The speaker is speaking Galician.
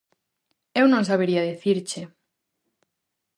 Eu non sabería dicirche...